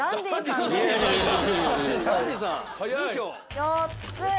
４つ。